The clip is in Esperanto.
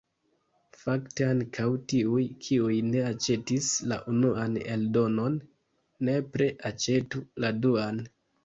Fakte ankaŭ tiuj, kiuj ne aĉetis la unuan eldonon, nepre aĉetu la duan.